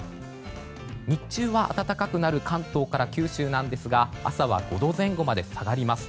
日中は暖かくなる関東から九州なんですが朝は５度前後まで下がります。